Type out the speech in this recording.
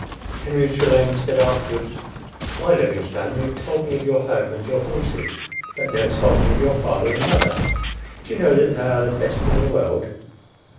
Henry Trelane said afterwards, "Why, Livingstone, you have told me of your home and your horses, but never told me of your father and mother. Do you know that they are the best in the world?"